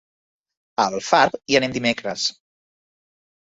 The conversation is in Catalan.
A Alfarb hi anem dimecres.